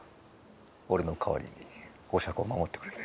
俺の代わりにおしゃ子を守ってくれて。